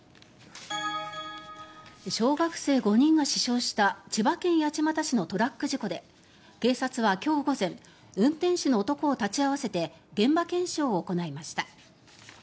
小学生５人が死傷した千葉県八街市のトラック事故で警察は、今日午前運転手の男を立ち会わせて現場検証を行いました。